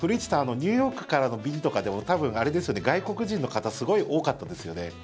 ニューヨークからの便とかでも多分、外国人の方すごい多かったですよね。